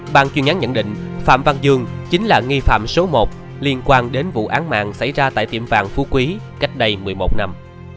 bàn chuyên án nhận định phạm văn dương chính là nghi phạm số một liên quan đến vụ án mạng xảy ra tại tiệm vàng phú quý cách đây một mươi một năm